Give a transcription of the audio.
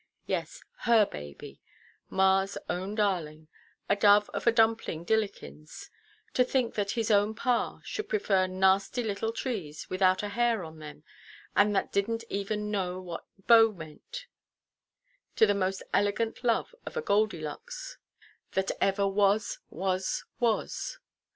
Yes, her baby, maʼs own darling, a dove of a dumpling dillikins; to think that his own pa should prefer nasty little trees without a hair on them, and that didnʼt even know what bo meant, to the most elegant love of a goldylocks that ever was, was, was!